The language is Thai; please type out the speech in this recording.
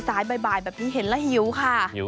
สายใบแบบนี้เห็นแล้วหิวค่ะ